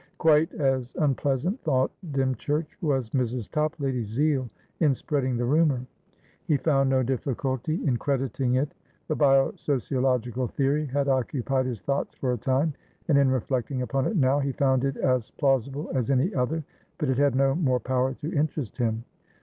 Quite as unpleasant, thought Dymchurch, was Mrs. Toplady's zeal in spreading the rumour. He found no difficulty in crediting it. The bio sociological theory had occupied his thoughts for a time, and, in reflecting upon it now, he found it as plausible as any other; but it had no more power to interest him.